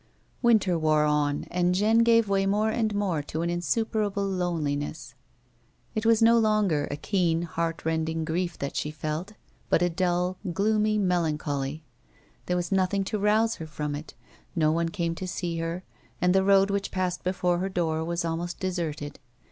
Winter wore on, and Jeanne gave way more and more to an insuperable hopelessness ; it was no longer a keen, heart rending grief that she felt but a dull, gloomy melancholy. There was nothing to rouse her from it, no one came to see her, and the road which passed before her door was almost deserted.